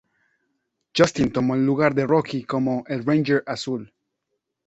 Justin tomó el lugar de Rocky como el Ranger azul.